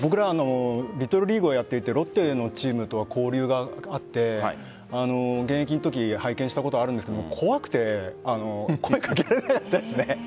リトルリーグをやっていてロッテのチームとは交流があって現役のとき拝見したことがあるんですが怖くて声をかけられなかったです。